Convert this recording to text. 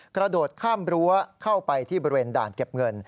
กระโดดข้ามรั้วเข้าไปที่บริเวณด่านเก็บเงิน